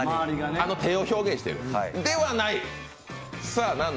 あの手を表現してるではない。